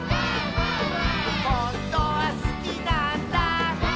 「ほんとはすきなんだ」